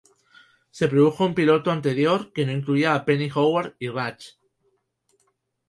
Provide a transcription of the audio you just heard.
Se produjo un piloto anterior que no incluía a Penny, Howard y Raj.